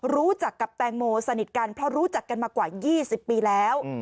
รู้จักกับแตงโมสนิทกันเพราะรู้จักกันมากว่า๒๐ปีแล้ว